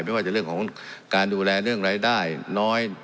ไม่ว่าจะเรื่องของการดูแลเรื่องรายได้น้อย